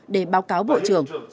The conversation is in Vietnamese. để báo cáo bộ trưởng